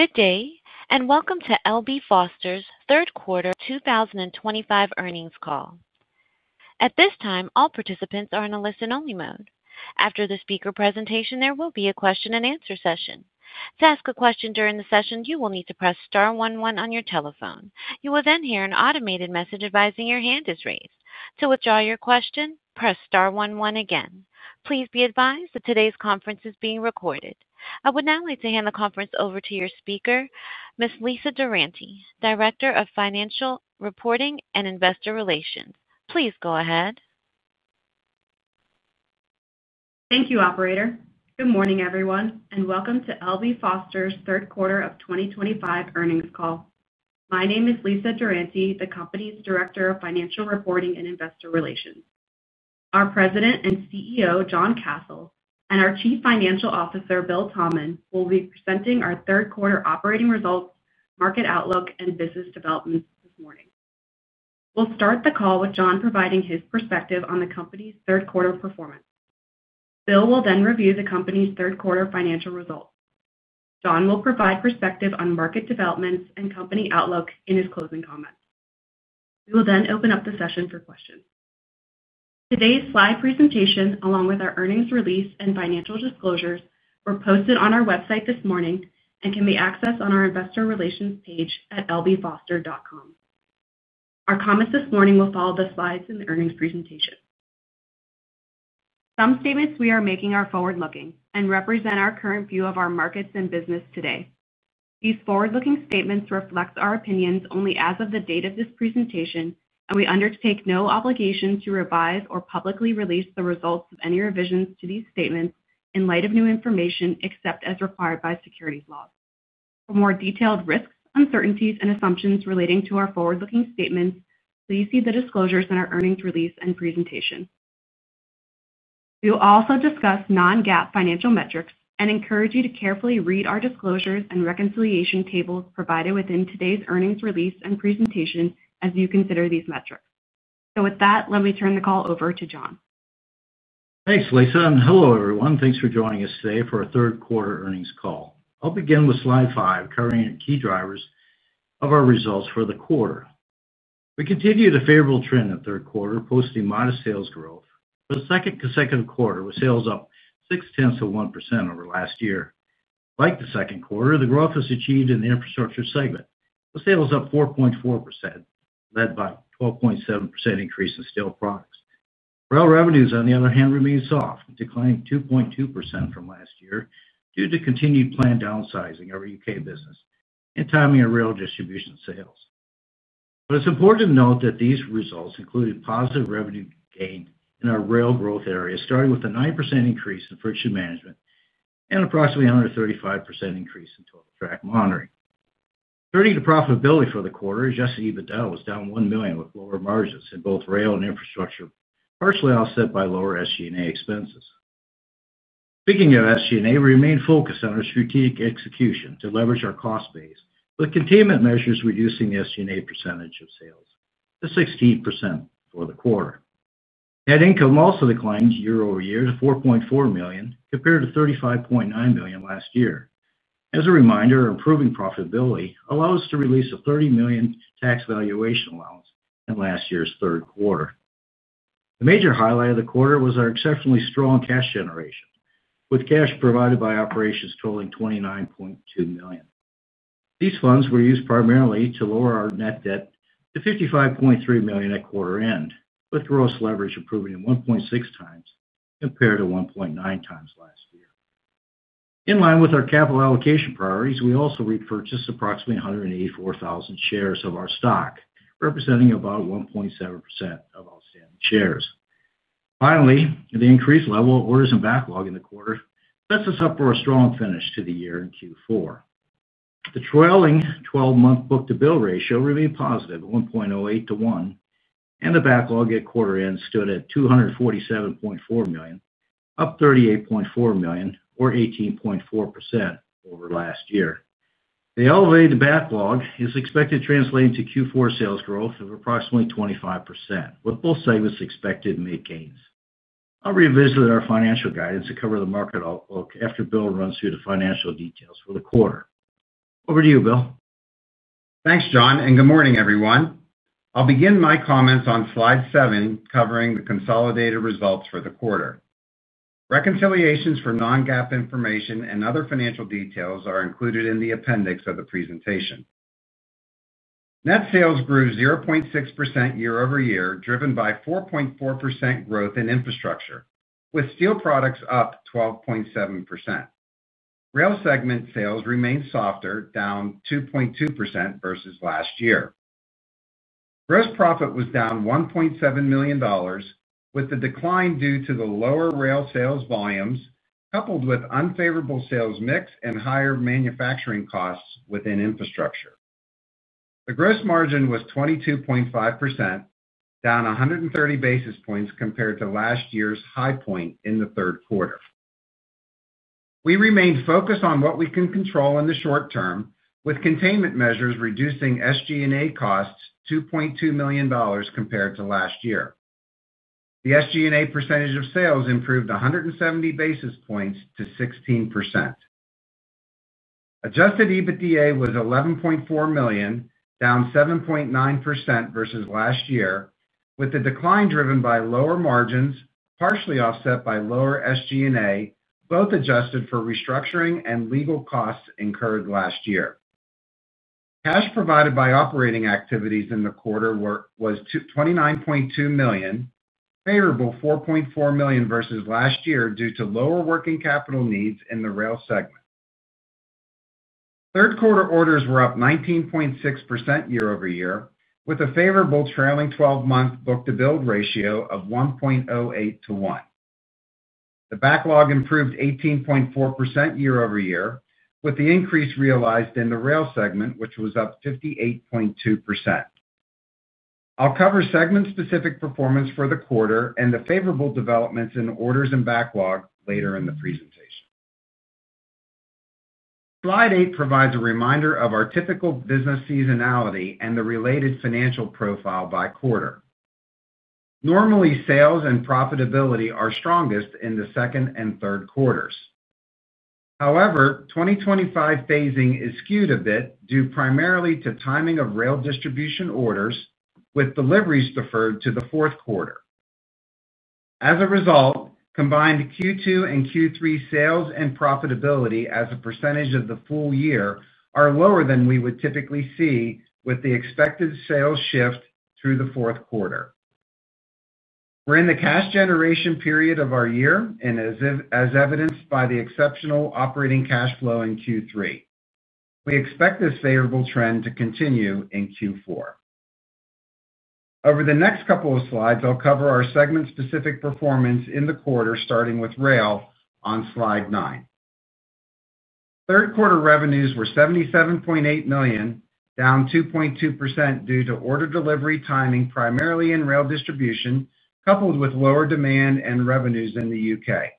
Good day, and welcome to L.B. Foster's Third Quarter 2025 earnings call. At this time, all participants are in a listen-only mode. After the speaker presentation, there will be a question-and-answer session. To ask a question during the session, you will need to press star one one on your telephone. You will then hear an automated message advising your hand is raised. To withdraw your question, press star one one again. Please be advised that today's conference is being recorded. I would now like to hand the conference over to your speaker, Ms. Lisa Durante, Director of Financial Reporting and Investor Relations. Please go ahead. Thank you, operator. Good morning, everyone, and welcome to L.B. Foster's third quarter of 2025 earnings call. My name is Lisa Durante, the company's Director of Financial Reporting and Investor Relations. Our President and CEO, John Kasel, and our Chief Financial Officer, Bill Thalman, will be presenting our third quarter operating results, market outlook, and business developments this morning. We'll start the call with John providing his perspective on the company's third quarter performance. Bill will then review the company's third quarter financial results. John will provide perspective on market developments and company outlook in his closing comments. We will then open up the session for questions. Today's slide presentation, along with our earnings release and financial disclosures, were posted on our website this morning and can be accessed on our investor relations page at lbfoster.com. Our comments this morning will follow the slides in the earnings presentation. Some statements we are making are forward-looking and represent our current view of our markets and business today. These forward-looking statements reflect our opinions only as of the date of this presentation, and we undertake no obligation to revise or publicly release the results of any revisions to these statements in light of new information except as required by securities law. For more detailed risks, uncertainties, and assumptions relating to our forward-looking statements, please see the disclosures in our earnings release and presentation. We will also discuss non-GAAP financial metrics and encourage you to carefully read our disclosures and reconciliation tables provided within today's earnings release and presentation as you consider these metrics. With that, let me turn the call over to John. Thanks, Lisa. Hello, everyone. Thanks for joining us today for our third quarter earnings call. I'll begin with slide five, covering key drivers of our results for the quarter. We continue the favorable trend in the third quarter, posting modest sales growth. For the second consecutive quarter, with sales up 0.6% over last year. Like the second quarter, the growth was achieved in the Infrastructure segment, with sales up 4.4%, led by a 12.7% increase in steel products. Rail revenues, on the other hand, remained soft, declining 2.2% from last year due to continued planned downsizing of our U.K. business and timing of rail distribution sales. It's important to note that these results included positive revenue gain in our rail growth area, starting with a 9% increase in Friction Management and an approximately 135% increase in Total Track Monitoring. Turning to profitability for the quarter, adjusted EBITDA was down $1 million with lower margins in both Rail and Infrastructure, partially offset by lower SG&A expenses. Speaking of SG&A, we remained focused on our strategic execution to leverage our cost base, with containment measures reducing the SG&A percentage of sales to 16% for the quarter. Net income also declined year-over-year to $4.4 million, compared to $35.9 million last year. As a reminder, our improving profitability allowed us to release a $30 million tax valuation allowance in last year's third quarter. The major highlight of the quarter was our exceptionally strong cash generation, with cash provided by operations totaling $29.2 million. These funds were used primarily to lower our net debt to $55.3 million at quarter end, with gross leverage improving to 1.6x compared to 1.9x last year. In line with our capital allocation priorities, we also repurchased approximately 184,000 shares of our stock, representing about 1.7% of outstanding shares. Finally, the increased level of orders and backlog in the quarter sets us up for a strong finish to the year in Q4. The trailing 12-month book-to-bill ratio remained positive at 1.08 to 1, and the backlog at quarter end stood at $247.4 million, up $38.4 million, or 18.4%, over last year. The elevated backlog is expected to translate into Q4 sales growth of approximately 25%, with both segments expected to make gains. I'll revisit our financial guidance to cover the market outlook after Bill runs through the financial details for the quarter. Over to you, Bill. Thanks, John, and good morning, everyone. I'll begin my comments on slide seven, covering the consolidated results for the quarter. Reconciliations for non-GAAP information and other financial details are included in the appendix of the presentation. Net sales grew 0.6% year-over-year, driven by 4.4% growth in infrastructure, with steel products up 12.7%. Rail segment sales remained softer, down 2.2% versus last year. Gross profit was down $1.7 million, with the decline due to the lower rail sales volumes, coupled with unfavorable sales mix and higher manufacturing costs within infrastructure. The gross margin was 22.5%, down 130 basis points compared to last year's high point in the third quarter. We remained focused on what we can control in the short term, with containment measures reducing SG&A costs to $2.2 million compared to last year. The SG&A percentage of sales improved 170 basis points to 16%. Adjusted EBITDA was $11.4 million, down 7.9% versus last year, with the decline driven by lower margins, partially offset by lower SG&A, both adjusted for restructuring and legal costs incurred last year. Cash provided by operating activities in the quarter was $29.2 million, favorable $4.4 million versus last year due to lower working capital needs in the Rail segment. Third quarter orders were up 19.6% year-over-year, with a favorable trailing 12-month book-to-bill ratio of 1.08x to 1x. The backlog improved 18.4% year-over-year, with the increase realized in the Rail segment, which was up 58.2%. I'll cover segment-specific performance for the quarter and the favorable developments in orders and backlog later in the presentation. Slide eight provides a reminder of our typical business seasonality and the related financial profile by quarter. Normally, sales and profitability are strongest in the second and third quarters. However, 2025 phasing is skewed a bit due primarily to timing of rail distribution orders, with deliveries deferred to the fourth quarter. As a result, combined Q2 and Q3 sales and profitability as a percentage of the full year are lower than we would typically see with the expected sales shift through the fourth quarter. We're in the cash generation period of our year, and as evidenced by the exceptional operating cash flow in Q3. We expect this favorable trend to continue in Q4. Over the next couple of slides, I'll cover our segment-specific performance in the quarter, starting with Rail on slide nine. Third quarter revenues were $77.8 million, down 2.2% due to order delivery timing primarily in rail distribution, coupled with lower demand and revenues in the U.K.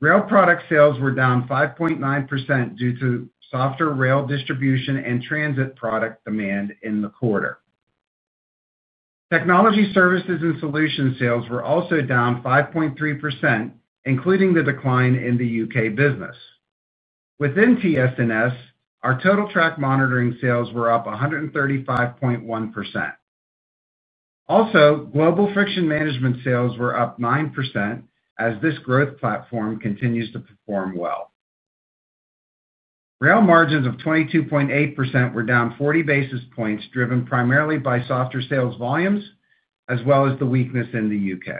Rail product sales were down 5.9% due to softer rail distribution and transit product demand in the quarter. Technology services and solution sales were also down 5.3%, including the decline in the U.K. business. Within TS&S, our Total Track Monitoring sales were up 135.1%. Also, global Friction Management sales were up 9% as this growth platform continues to perform well. Rail margins of 22.8% were down 40 basis points, driven primarily by softer sales volumes as well as the weakness in the U.K.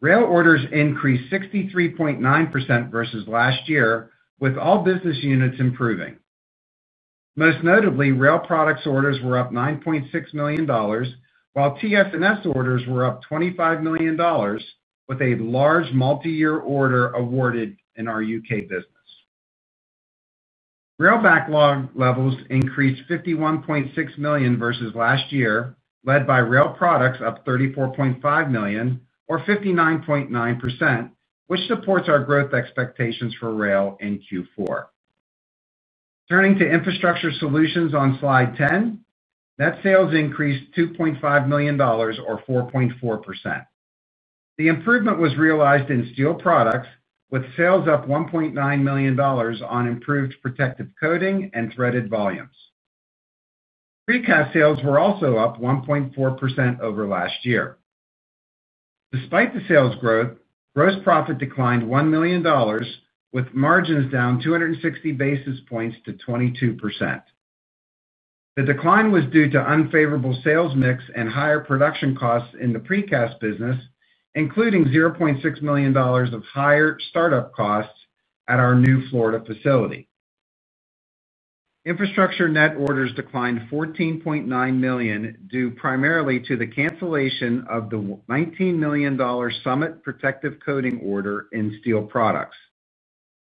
Rail orders increased 63.9% versus last year, with all business units improving. Most notably, Rail Products orders were up $9.6 million, while TS&S orders were up $25 million, with a large multi-year order awarded in our U.K. business. Rail backlog levels increased $51.6 million versus last year, led by Rail Products up $34.5 million, or 59.9%, which supports our growth expectations for Rail in Q4. Turning to infrastructure solutions on slide 10, net sales increased $2.5 million, or 4.4%. The improvement was realized in steel products, with sales up $1.9 million on improved protective coating and threaded volumes. Precast sales were also up 1.4% over last year. Despite the sales growth, gross profit declined $1 million, with margins down 260 basis points to 22%. The decline was due to unfavorable sales mix and higher production costs in the precast business, including $0.6 million of higher startup costs at our new Florida facility. Infrastructure net orders declined $14.9 million due primarily to the cancellation of the $19 million Summit Protective Coatings order in steel products.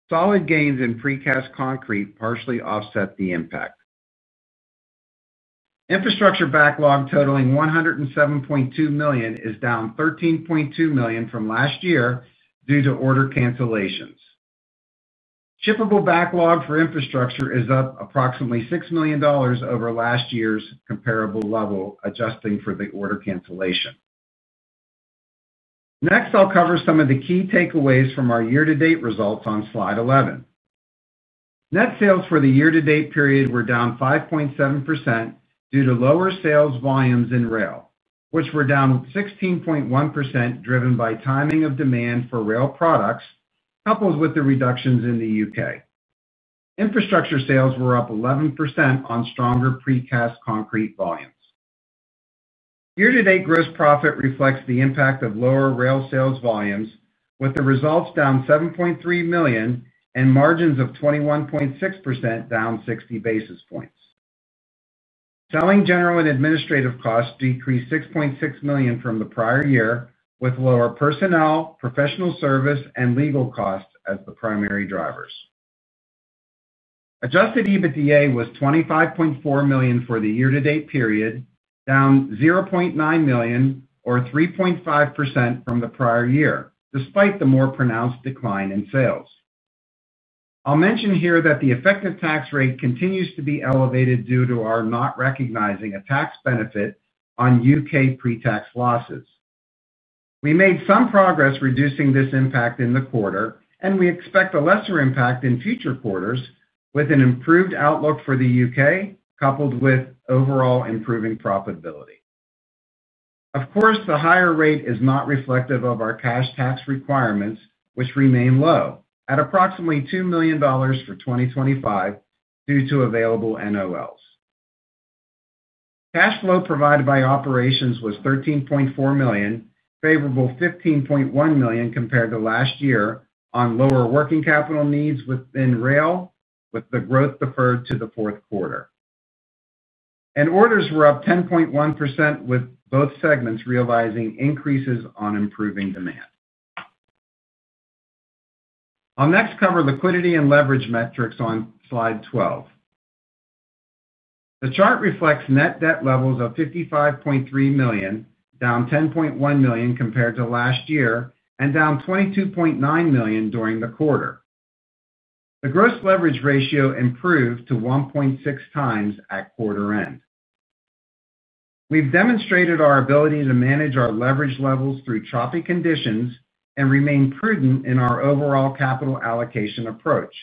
Solid gains in Precast Concrete partially offset the impact. Infrastructure backlog totaling $107.2 million is down $13.2 million from last year due to order cancellations. Shippable backlog for infrastructure is up approximately $6 million over last year's comparable level, adjusting for the order cancellation. Next, I'll cover some of the key takeaways from our year-to-date results on slide 11. Net sales for the year-to-date period were down 5.7% due to lower sales volumes in rail, which were down 16.1%, driven by timing of demand for Rail Products, coupled with the reductions in the U.K. Infrastructure sales were up 11% on stronger Precast Concrete volumes. Year-to-date gross profit reflects the impact of lower rail sales volumes, with the results down $7.3 million and margins of 21.6%, down 60 basis points. Selling, general, and administrative costs decreased $6.6 million from the prior year, with lower personnel, professional service, and legal costs as the primary drivers. Adjusted EBITDA was $25.4 million for the year-to-date period, down $0.9 million, or 3.5%, from the prior year, despite the more pronounced decline in sales. I'll mention here that the effective tax rate continues to be elevated due to our not recognizing a tax benefit on U.K. pre-tax losses. We made some progress reducing this impact in the quarter, and we expect a lesser impact in future quarters with an improved outlook for the U.K., coupled with overall improving profitability. Of course, the higher rate is not reflective of our cash tax requirements, which remain low at approximately $2 million for 2025 due to available net operating losses. Cash flow provided by operations was $13.4 million, favorable $15.1 million compared to last year on lower working capital needs within rail, with the growth deferred to the fourth quarter. Orders were up 10.1%, with both segments realizing increases on improving demand. I'll next cover liquidity and leverage metrics on slide 12. The chart reflects net debt levels of $55.3 million, down $10.1 million compared to last year, and down $22.9 million during the quarter. The gross leverage ratio improved to 1.6x at quarter end. We've demonstrated our ability to manage our leverage levels through trophy conditions and remain prudent in our overall capital allocation approach.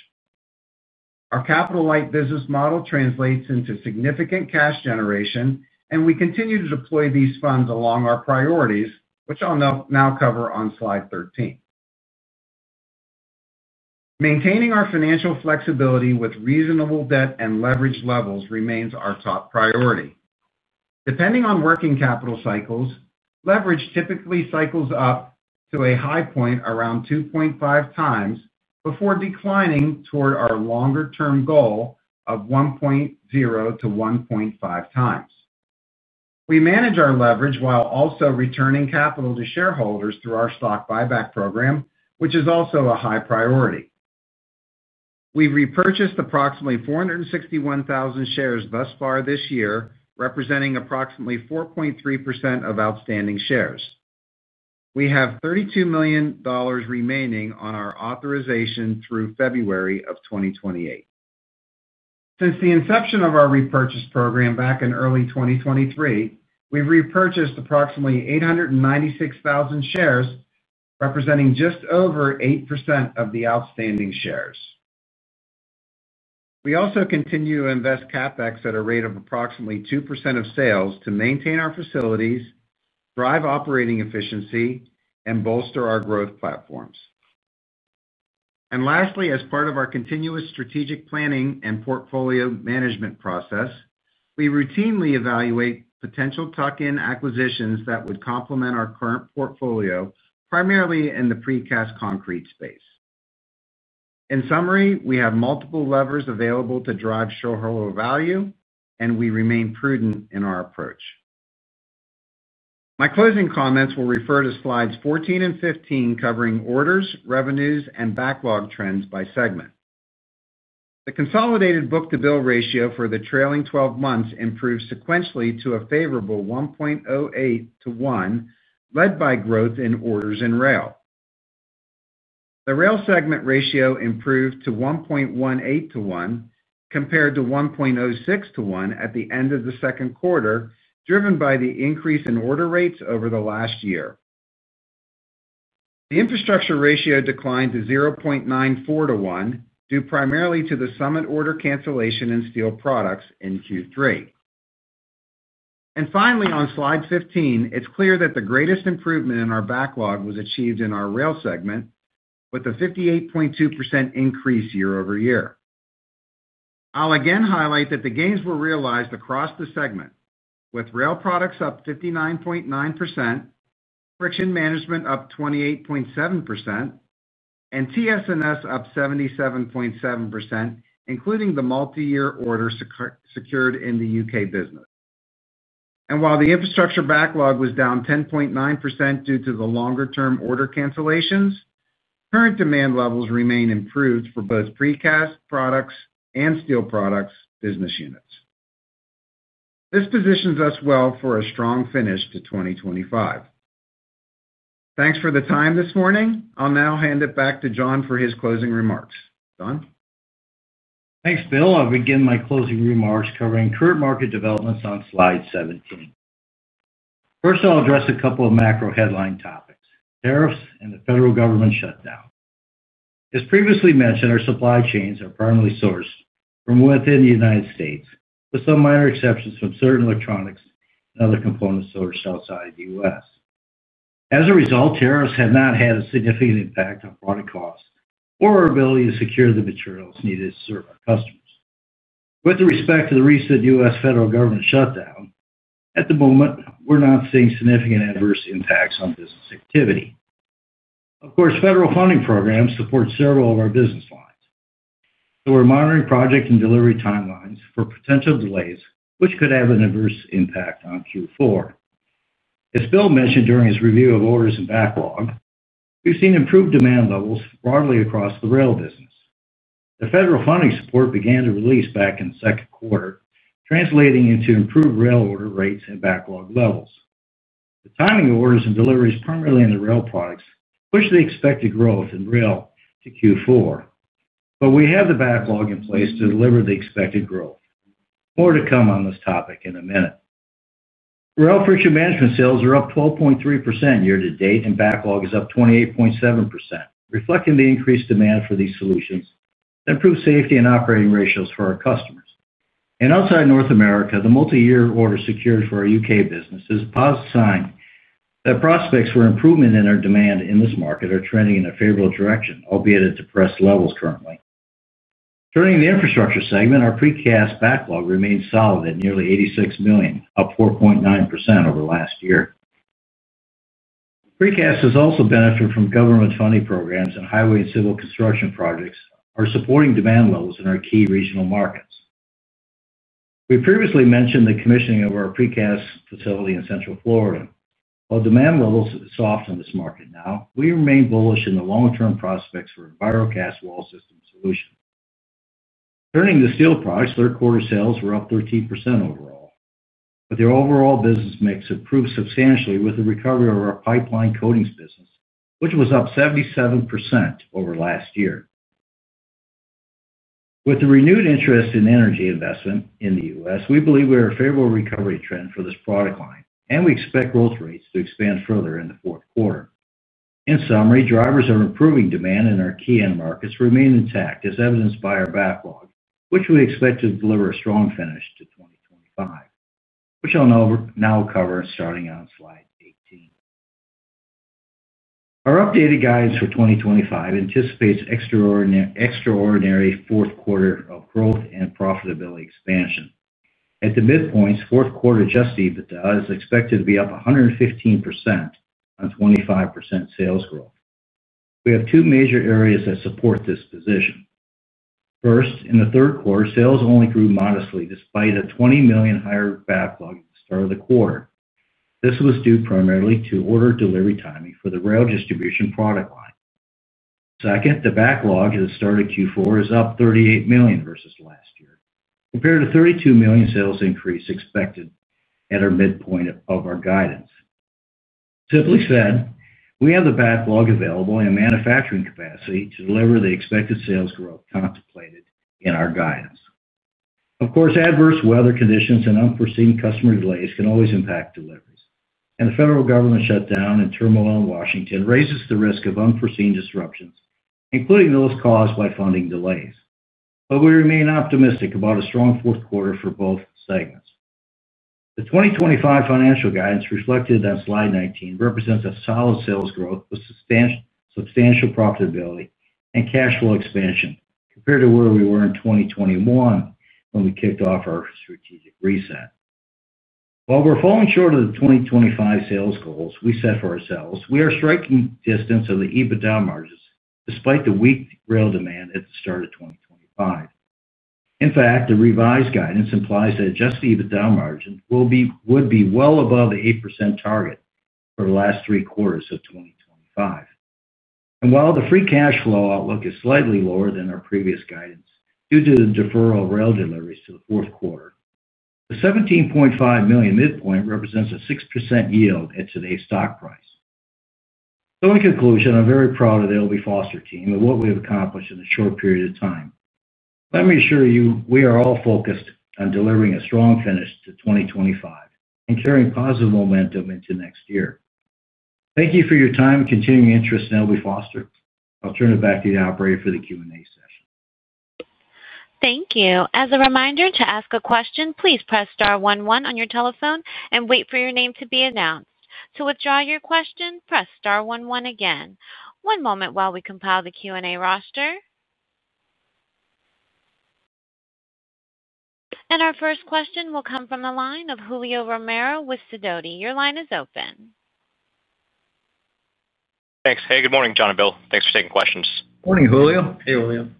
Our capital-light business model translates into significant cash generation, and we continue to deploy these funds along our priorities, which I'll now cover on slide 13. Maintaining our financial flexibility with reasonable debt and leverage levels remains our top priority. Depending on working capital cycles, leverage typically cycles up to a high point around 2.5x before declining toward our longer-term goal of 1.0x-1.5x. We manage our leverage while also returning capital to shareholders through our stock buyback program, which is also a high priority. We've repurchased approximately 461,000 shares thus far this year, representing approximately 4.3% of outstanding shares. We have $32 million remaining on our authorization through February of 2028. Since the inception of our repurchase program back in early 2023, we've repurchased approximately 896,000 shares, representing just over 8% of the outstanding shares. We also continue to invest CapEx at a rate of approximately 2% of sales to maintain our facilities, drive operating efficiency, and bolster our growth platforms. Lastly, as part of our continuous strategic planning and portfolio management process, we routinely evaluate potential tuck-in acquisitions that would complement our current portfolio, primarily in the Precast Concrete space. In summary, we have multiple levers available to drive shareholder value, and we remain prudent in our approach. My closing comments will refer to slides 14 and 15, covering orders, revenues, and backlog trends by segment. The consolidated book-to-bill ratio for the trailing 12 months improved sequentially to a favorable 1.08x to 1x, led by growth in orders in rail. The Rail segment ratio improved to 1.18x to 1x compared to 1.06x to 1x at the end of the second quarter, driven by the increase in order rates over the last year. The Infrastructure ratio declined to 0.94x to 1x due primarily to the Summit order cancellation in steel products in Q3. Finally, on slide 15, it's clear that the greatest improvement in our backlog was achieved in our Rail segment with a 58.2% increase year-over-year. I'll again highlight that the gains were realized across the segment, with Rail Products up 59.9%, Friction Management up 28.7%, and TS&S up 77.7%, including the multi-year orders secured in the U.K. business. While the infrastructure backlog was down 10.9% due to the longer-term order cancellations, current demand levels remain improved for both precast products and steel products business units. This positions us well for a strong finish to 2025. Thanks for the time this morning. I'll now hand it back to John for his closing remarks. John? Thanks, Bill. I'll begin my closing remarks covering current market developments on slide 17. First, I'll address a couple of macro headline topics: tariffs and the federal government shutdown. As previously mentioned, our supply chains are primarily sourced from within the United States, with some minor exceptions from certain electronics and other components sourced outside the U.S. As a result, tariffs have not had a significant impact on product costs or our ability to secure the materials needed to serve our customers. With respect to the recent U.S. Federal Government shutdown, at the moment, we're not seeing significant adverse impacts on business activity. Of course, federal funding programs support several of our business lines. So we're monitoring project and delivery timelines for potential delays, which could have an adverse impact on Q4. As Bill mentioned during his review of orders and backlog, we've seen improved demand levels broadly across the Rail business. The federal funding support began to release back in the second quarter, translating into improved rail order rates and backlog levels. The timing of orders and deliveries primarily in the Rail Products pushed the expected growth in Rail to Q4. But we have the backlog in place to deliver the expected growth. More to come on this topic in a minute. Rail Friction Management sales are up 12.3% year-to-date, and backlog is up 28.7%, reflecting the increased demand for these solutions that improved safety and operating ratios for our customers. And outside North America, the multi-year order secured for our U.K. business is a positive sign that prospects for improvement in our demand in this market are trending in a favorable direction, albeit at depressed levels currently. Turning to the Infrastructure segment, our precast backlog remains solid at nearly $86 million, up 4.9% over last year. Precast has also benefited from government funding programs and highway and civil construction projects that are supporting demand levels in our key regional markets. We previously mentioned the commissioning of our precast facility in Central Florida. While demand levels are soft in this market now, we remain bullish in the long-term prospects for Envirocast Wall System solutions. Turning to steel products, third-quarter sales were up 13% overall. But their overall business mix improved substantially with the recovery of our pipeline coatings business, which was up 77% over last year. With the renewed interest in energy investment in the U.S., we believe we are in a favorable recovery trend for this product line, and we expect growth rates to expand further in the fourth quarter. In summary, drivers of improving demand in our key end markets remain intact, as evidenced by our backlog, which we expect to deliver a strong finish to 2025, which I'll now cover starting on slide 18. Our updated guidance for 2025 anticipates extraordinary fourth-quarter growth and profitability expansion. At the midpoint, fourth-quarter adjusted EBITDA is expected to be up 115% on 25% sales growth. We have two major areas that support this position. First, in the third quarter, sales only grew modestly despite a $20 million higher backlog at the start of the quarter. This was due primarily to order delivery timing for the rail distribution product line. Second, the backlog at the start of Q4 is up $38 million versus last year, compared to a $32 million sales increase expected at our midpoint of our guidance. Simply said, we have the backlog available and manufacturing capacity to deliver the expected sales growth contemplated in our guidance. Of course, adverse weather conditions and unforeseen customer delays can always impact deliveries. The federal government shutdown and turmoil in Washington raises the risk of unforeseen disruptions, including those caused by funding delays. We remain optimistic about a strong fourth quarter for both segments. The 2025 financial guidance reflected on slide 19 represents a solid sales growth with substantial profitability and cash flow expansion compared to where we were in 2021 when we kicked off our strategic reset. While we're falling short of the 2025 sales goals we set for ourselves, we are striking distance of the EBITDA margins despite the weak rail demand at the start of 2025. In fact, the revised guidance implies that adjusted EBITDA margins would be well above the 8% target for the last three quarters of 2025. While the free cash flow outlook is slightly lower than our previous guidance due to the deferral of rail deliveries to the fourth quarter, the $17.5 million midpoint represents a 6% yield at today's stock price. In conclusion, I'm very proud of the L.B. Foster team and what we have accomplished in a short period of time. Let me assure you, we are all focused on delivering a strong finish to 2025 and carrying positive momentum into next year. Thank you for your time and continuing interest in L.B. Foster. I'll turn it back to the operator for the Q&A session. Thank you. As a reminder, to ask a question, please press star one one on your telephone and wait for your name to be announced. To withdraw your question, press star one one again. One moment while we compile the Q&A roster. Our first question will come from the line of Julio Romero with Sidoti. Your line is open. Thanks. Hey, good morning, John and Bill. Thanks for taking questions. Morning, Julio. Hey, Julio.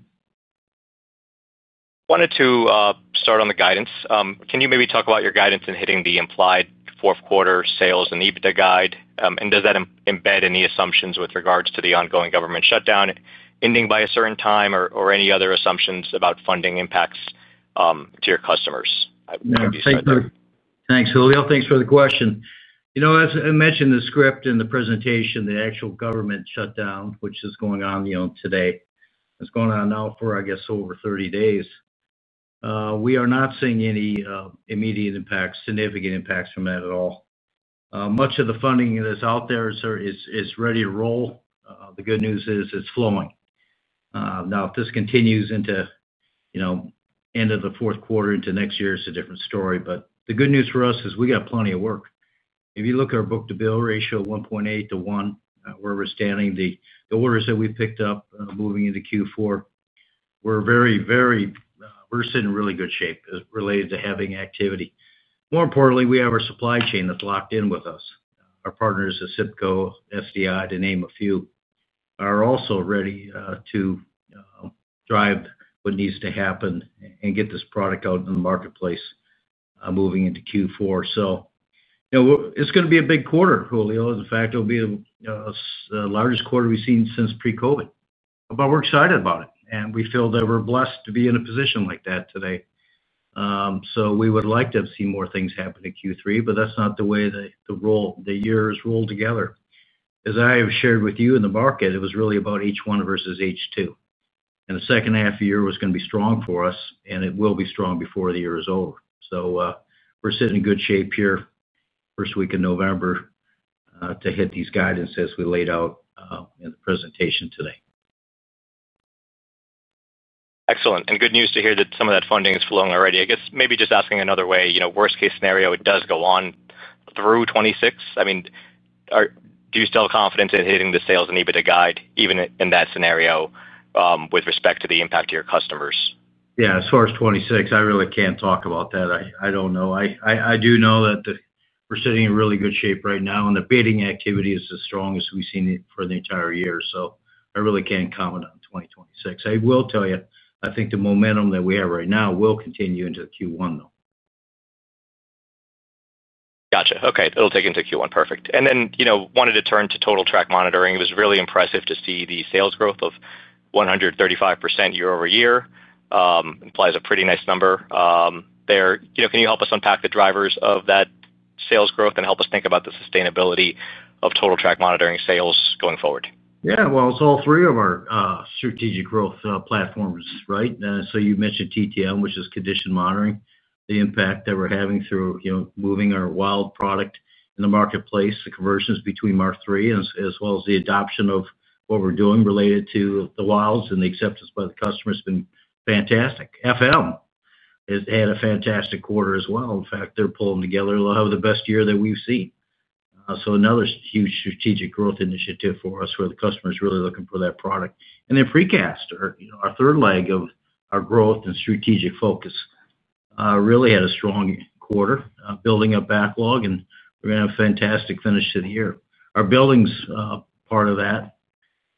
Wanted to start on the guidance. Can you maybe talk about your guidance in hitting the implied fourth-quarter sales and EBITDA guide? Does that embed any assumptions with regards to the ongoing government shutdown ending by a certain time or any other assumptions about funding impacts to your customers? Thanks, Julio. Thanks for the question. As I mentioned in the script and the presentation, the actual government shutdown, which is going on today, it's going on now for, I guess, over 30 days. We are not seeing any immediate impacts, significant impacts from that at all. Much of the funding that's out there is ready to roll. The good news is it's flowing. Now, if this continues into end of the fourth quarter into next year, it's a different story. The good news for us is we got plenty of work. If you look at our book-to-bill ratio of 1.8x to 1x, where we're standing, the orders that we've picked up moving into Q4. We're sitting in really good shape related to having activity. More importantly, we have our supply chain that's locked in with us. Our partners ACIPCO, SDI, to name a few, are also ready to drive what needs to happen and get this product out in the marketplace moving into Q4. It's going to be a big quarter, Julio. In fact, it'll be the largest quarter we've seen since pre-COVID. We're excited about it. We feel that we're blessed to be in a position like that today. We would like to have seen more things happen in Q3, but that's not the way the year has rolled together. As I have shared with you in the market, it was really about H1 versus H2. The second half of the year was going to be strong for us, and it will be strong before the year is over. We're sitting in good shape here first week of November to hit these guidance as we laid out in the presentation today. Excellent. Good news to hear that some of that funding is flowing already. I guess maybe just asking another way, worst-case scenario, it does go on through 2026. I mean, do you still have confidence in hitting the sales and EBITDA guide even in that scenario with respect to the impact to your customers? Yeah. As far as 2026, I really can't talk about that. I don't know. I do know that we're sitting in really good shape right now, and the bidding activity is as strong as we've seen for the entire year. I really can't comment on 2026. I will tell you, I think the momentum that we have right now will continue into Q1, though. Gotcha. Okay. It'll take into Q1. Perfect. Then wanted to turn to Total Track Monitoring. It was really impressive to see the sales growth of 135% year-over-year. Implies a pretty nice number. There, can you help us unpack the drivers of that sales growth and help us think about the sustainability of Total Track Monitoring sales going forward? Yeah. It's all three of our strategic growth platforms, right? You mentioned TTM, which is condition monitoring, the impact that we're having through moving our wild product in the marketplace, the conversions between our three, as well as the adoption of what we're doing related to the wilds and the acceptance by the customer has been fantastic. FM has had a fantastic quarter as well. In fact, they're pulling together. They'll have the best year that we've seen. So another huge strategic growth initiative for us where the customer is really looking for that product. And then precast, our third leg of our growth and strategic focus. Really had a strong quarter, building a backlog, and we're going to have a fantastic finish to the year. Our buildings part of that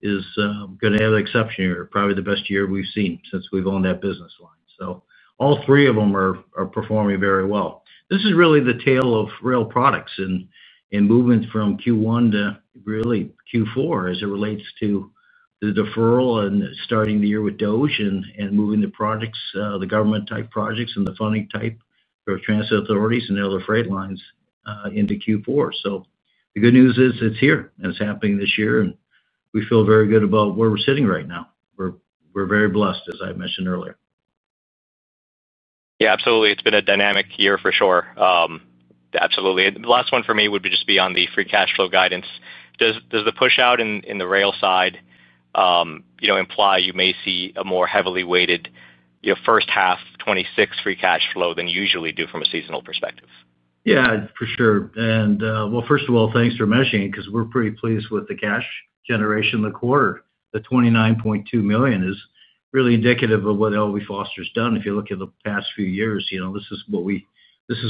is going to have an exceptional year, probably the best year we've seen since we've owned that business line. So all three of them are performing very well. This is really the tale of Rail Products and movement from Q1 to really Q4 as it relates to the deferral and starting the year with [DOGE] and moving the projects, the government-type projects and the funding type for transit authorities and other freight lines into Q4. The good news is it's here, and it's happening this year, and we feel very good about where we're sitting right now. We're very blessed, as I mentioned earlier. Yeah, absolutely. It's been a dynamic year for sure. Absolutely. The last one for me would just be on the free cash flow guidance. Does the push out in the rail side imply you may see a more heavily weighted first half 2026 free cash flow than you usually do from a seasonal perspective? Yeah, for sure. And, well, first of all, thanks for mentioning it because we're pretty pleased with the cash generation in the quarter. The $29.2 million is really indicative of what L.B. Foster has done. If you look at the past few years, this is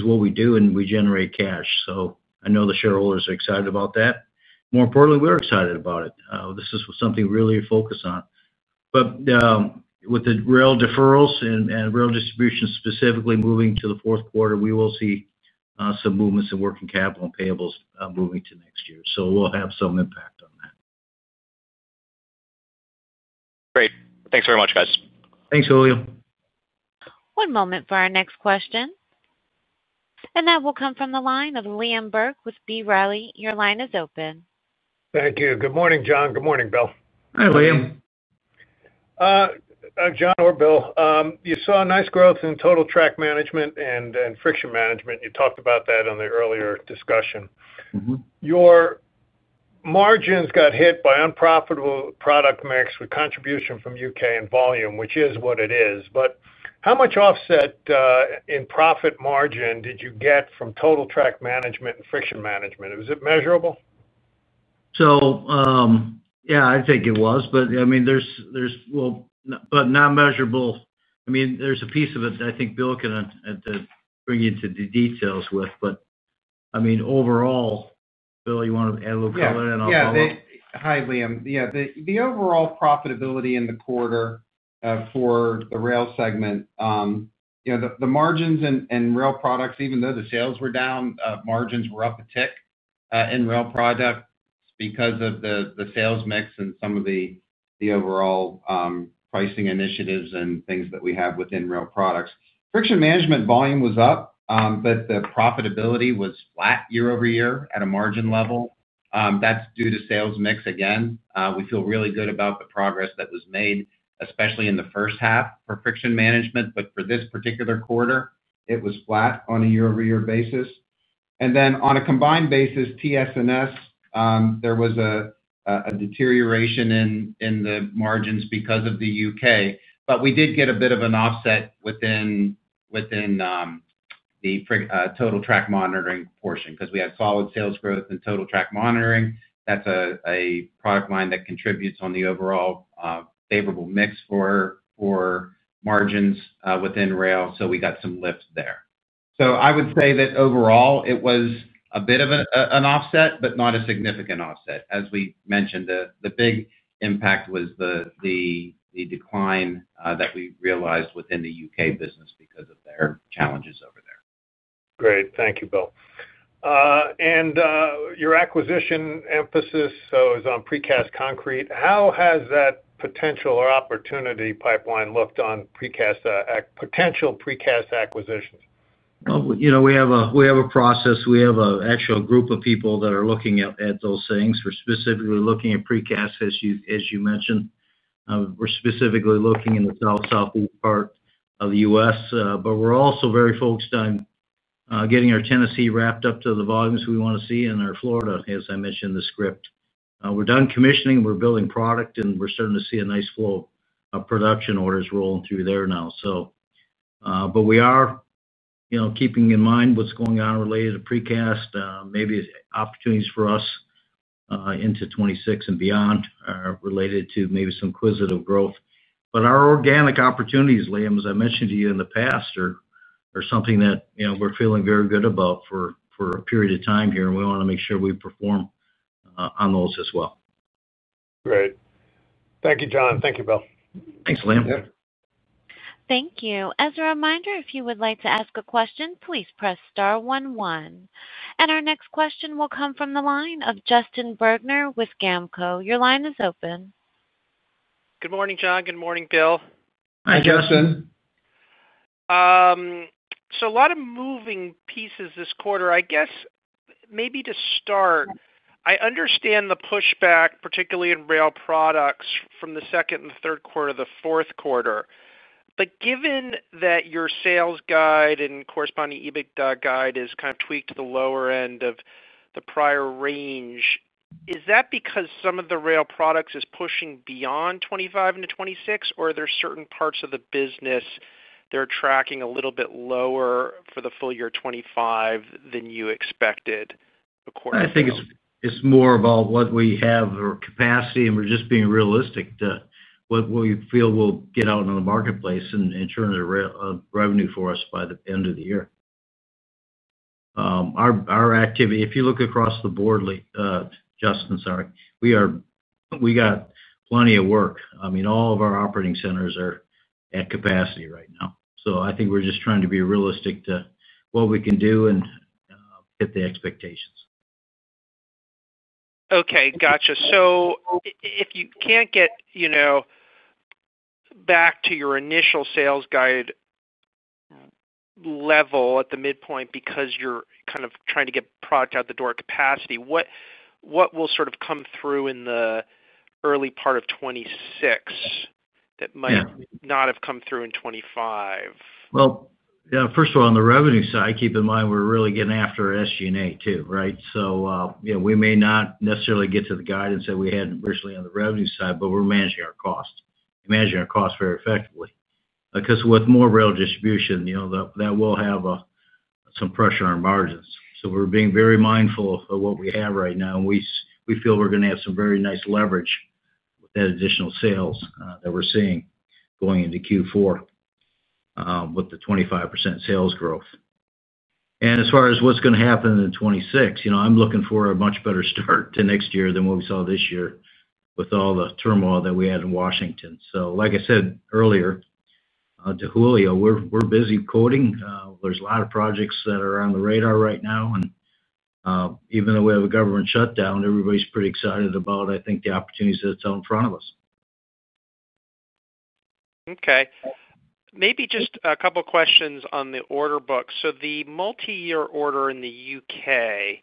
what we do, and we generate cash. So I know the shareholders are excited about that. More importantly, we're excited about it. This is something we really focus on. But with the rail deferrals and rail distribution specifically moving to the fourth quarter, we will see some movements in working capital and payables moving to next year. So we'll have some impact on that. Great. Thanks very much, guys. Thanks, Julio. One moment for our next question. And that will come from the line of Liam Burke with B. Riley. Your line is open. Thank you. Good morning, John. Good morning, Bill. Hi, Liam. John or Bill, you saw nice growth in Total Track Management and Friction Management. You talked about that in the earlier discussion. Your margins got hit by unprofitable product mix with contribution from U.K. and volume, which is what it is. But how much offset in profit margin did you get from Total Track Management and Friction Management? Was it measurable? So, yeah, I think it was. But, I mean, well, but not measurable. I mean, there's a piece of it that I think Bill can bring you into the details with. But, I mean, overall. Bill, you want to add a little color in on that one? Yeah. Hi, Liam. Yeah. The overall profitability in the quarter for the Rail segment. The margins in Rail Products, even though the sales were down, margins were up a tick in Rail Products because of the sales mix and some of the overall pricing initiatives and things that we have within Rail Products. Friction Management volume was up, but the profitability was flat year-over-year at a margin level. That is due to sales mix. Again, we feel really good about the progress that was made, especially in the first half for Friction Management. For this particular quarter, it was flat on a year-over-year basis. On a combined basis, TS&S, there was a deterioration in the margins because of the U.K. We did get a bit of an offset within the Total Track Monitoring portion because we had solid sales growth in Total Track Monitoring. That is a product line that contributes on the overall favorable mix for margins within rail. We got some lift there. I would say that overall, it was a bit of an offset, but not a significant offset. As we mentioned, the big impact was the decline that we realized within the U.K. business because of their challenges over there. Great. Thank you, Bill. Your acquisition emphasis was on Precast Concrete. How has that potential or opportunity pipeline looked on potential precast acquisitions? We have a process. We have an actual group of people that are looking at those things. We are specifically looking at precast, as you mentioned. We are specifically looking in the South Southeast part of the U.S. We are also very focused on getting our Tennessee wrapped up to the volumes we want to see and our Florida, as I mentioned in the script. We are done commissioning. We are building product, and we are starting to see a nice flow of production orders rolling through there now. We are keeping in mind what is going on related to precast, maybe opportunities for us into 2026 and beyond related to maybe some quizzical growth. Our organic opportunities, Liam, as I mentioned to you in the past, are something that we are feeling very good about for a period of time here. We want to make sure we perform on those as well. Great. Thank you, John. Thank you, Bill. Thanks, Liam. Thank you. As a reminder, if you would like to ask a question, please press star one one. Our next question will come from the line of Justin Bergner with GAMCO. Your line is open. Good morning, John. Good morning, Bill. Hi, Justin. A lot of moving pieces this quarter. I guess maybe to start, I understand the pushback, particularly in Rail Products from the second and third quarter to the fourth quarter. Given that your sales guide and corresponding EBITDA guide is kind of tweaked to the lower end of the prior range, is that because some of the Rail Products is pushing beyond 2025 into 2026, or are there certain parts of the business. That are tracking a little bit lower for the full year 2025 than you expected according to your? I think it's more about what we have or capacity, and we're just being realistic to what we feel we'll get out in the marketplace and turn into revenue for us by the end of the year. Our activity, if you look across the board. Justin, sorry. We got plenty of work. I mean, all of our operating centers are at capacity right now. I think we're just trying to be realistic to what we can do and hit the expectations. Okay. Got you. So if you can't get back to your initial sales guide level at the midpoint because you're kind of trying to get product out the door capacity, what will sort of come through in the early part of 2026 that might not have come through in 2025? First of all, on the revenue side, keep in mind we're really getting after SG&A too, right? We may not necessarily get to the guidance that we had originally on the revenue side, but we're managing our cost. We're managing our cost very effectively. Because with more rail distribution, that will have some pressure on our margins. We're being very mindful of what we have right now. We feel we're going to have some very nice leverage with that additional sales that we're seeing going into Q4 with the 25% sales growth. As far as what's going to happen in 2026, I'm looking for a much better start to next year than what we saw this year with all the turmoil that we had in Washington. Like I said earlier to Julio, we're busy quoting. There's a lot of projects that are on the radar right now. Even though we have a government shutdown, everybody's pretty excited about, I think, the opportunities that's out in front of us. Okay. Maybe just a couple of questions on the order book. The multi-year order in the U.K.,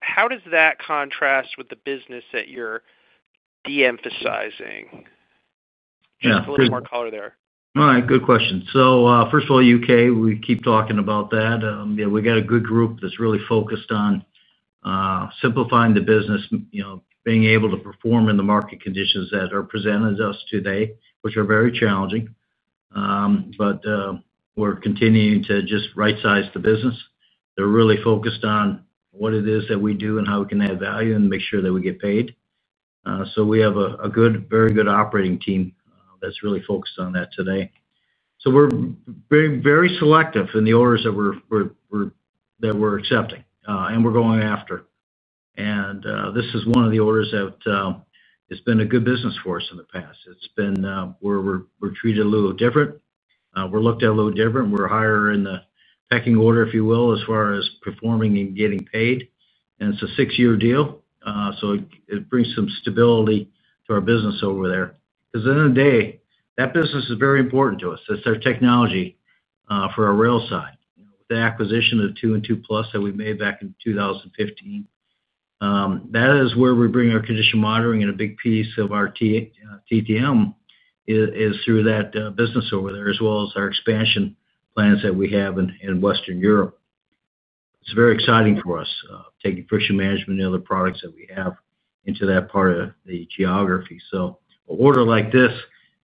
how does that contrast with the business that you're de-emphasizing? Just a little more color there. Good question. First of all, U.K., we keep talking about that. We got a good group that's really focused on simplifying the business. Being able to perform in the market conditions that are presented to us today, which are very challenging. We're continuing to just right-size the business. They're really focused on what it is that we do and how we can add value and make sure that we get paid. We have a very good operating team that's really focused on that today. We're very selective in the orders that we're accepting and we're going after. This is one of the orders that has been a good business for us in the past. It's been where we're treated a little different. We're looked at a little different. We're higher in the pecking order, if you will, as far as performing and getting paid. And it's a six-year deal. It brings some stability to our business over there. Because at the end of the day, that business is very important to us. That's our technology for our rail side. The acquisition of TEW and TEW Plus that we made back in 2015. That is where we bring our condition monitoring and a big piece of our TTM is through that business over there, as well as our expansion plans that we have in Western Europe. It's very exciting for us taking Friction Management and other products that we have into that part of the geography. An order like this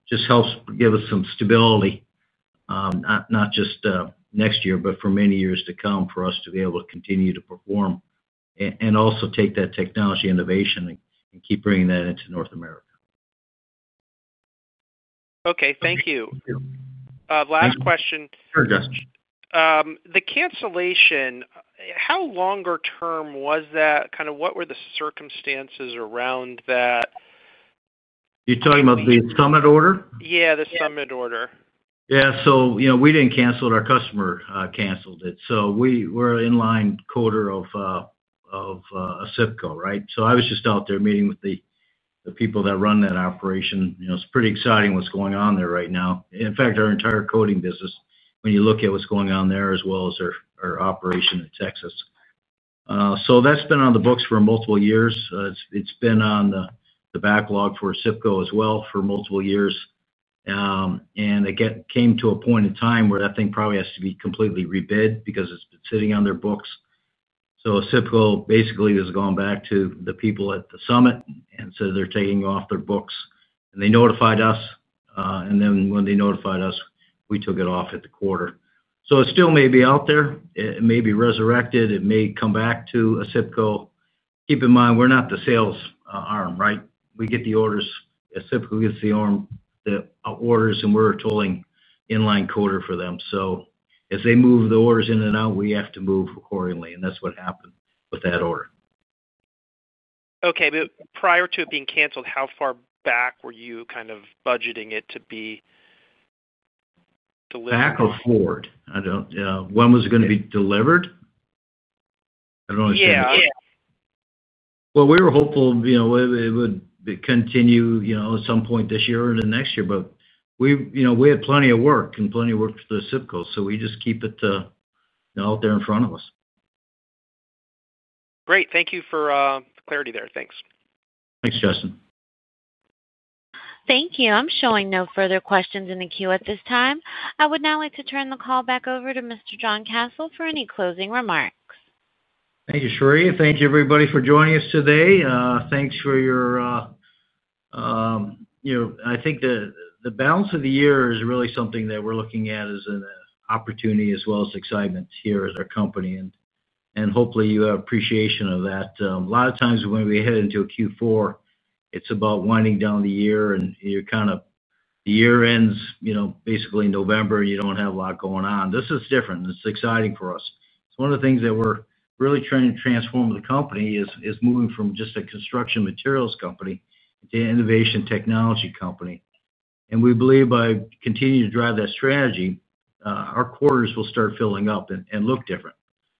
just helps give us some stability. Not just next year, but for many years to come for us to be able to continue to perform. Also take that technology innovation and keep bringing that into North America. Okay. Thank you. Last question. The cancellation, how longer-term was that? Kind of what were the circumstances around that? You're talking about the Summit order? Yeah, the Summit order. Yeah. We didn't cancel it. Our customer canceled it. We're in line quarter of ACIPCO, right? I was just out there meeting with the people that run that operation. It's pretty exciting what's going on there right now. In fact, our entire quoting business, when you look at what's going on there, as well as our operation in Texas. That's been on the books for multiple years. It's been on the backlog for ACIPCO as well for multiple years. It came to a point in time where that thing probably has to be completely rebid because it's been sitting on their books. ACIPCO basically is going back to the people at the Summit. They're taking off their books. They notified us. Then when they notified us, we took it off at the quarter. It still may be out there. It may be resurrected. It may come back to ACIPCO. Keep in mind, we're not the sales arm, right? We get the orders. ACIPCO gets the orders, and we're tolling inline quarter for them. As they move the orders in and out, we have to move accordingly. That's what happened with that order. Okay. Prior to it being canceled, how far back were you kind of budgeting it to be delivered? Back or forward? When was it going to be delivered? I don't understand. Yeah. We were hopeful it would continue at some point this year and the next year. We had plenty of work and plenty of work for the ACIPCO. We just keep it out there in front of us. Great. Thank you for the clarity there. Thanks. Thanks, Justin. Thank you. I'm showing no further questions in the queue at this time. I would now like to turn the call back over to Mr. John Kasel for any closing remarks. Thank you, Sheree. Thank you, everybody, for joining us today. Thanks for your, I think the balance of the year is really something that we're looking at as an opportunity as well as excitement here at our company. Hopefully, you have appreciation of that. A lot of times when we head into a Q4, it's about winding down the year. The year ends basically in November, and you don't have a lot going on. This is different. It's exciting for us. It's one of the things that we're really trying to transform the company is moving from just a construction materials company to an innovation technology company. We believe by continuing to drive that strategy, our quarters will start filling up and look different.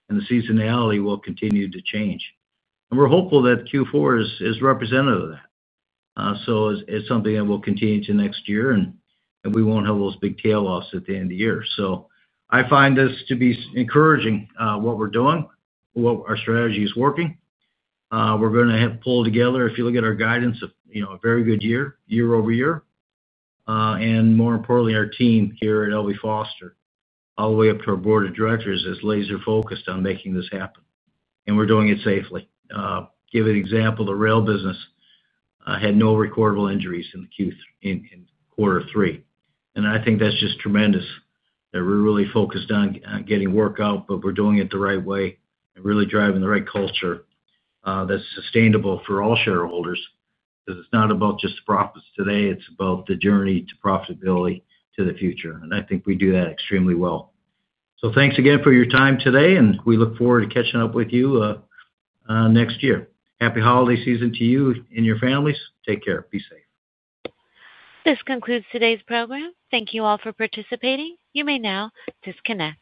The seasonality will continue to change. We're hopeful that Q4 is representative of that. It's something that will continue to next year. We won't have those big tail offs at the end of the year. I find this to be encouraging, what we're doing, what our strategy is working. We're going to pull together, if you look at our guidance, a very good year, year-over-year. More importantly, our team here at L.B. Foster, all the way up to our board of directors, is laser-focused on making this happen. We're doing it safely. To give an example, the rail business had no recordable injuries in quarter three. I think that's just tremendous that we're really focused on getting work out, but we're doing it the right way and really driving the right culture. That's sustainable for all shareholders because it's not about just the profits today. It's about the journey to profitability to the future. I think we do that extremely well. Thanks again for your time today. We look forward to catching up with you next year. Happy holiday season to you and your families. Take care. Be safe. This concludes today's program. Thank you all for participating. You may now disconnect.